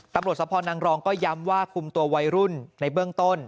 สะพอนางรองก็ย้ำว่าคุมตัววัยรุ่นในเบื้องต้น